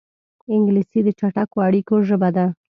انګلیسي د چټکو اړیکو ژبه ده